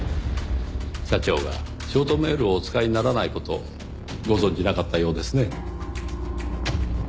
社長がショートメールをお使いにならない事ご存じなかったようですね。